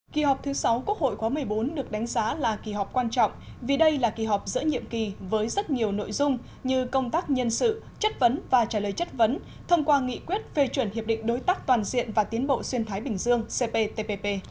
kỳ họp thứ sáu quốc hội khóa một mươi bốn được đánh giá là kỳ họp quan trọng vì đây là kỳ họp giữa nhiệm kỳ với rất nhiều nội dung như công tác nhân sự chất vấn và trả lời chất vấn thông qua nghị quyết phê chuẩn hiệp định đối tác toàn diện và tiến bộ xuyên thái bình dương cptpp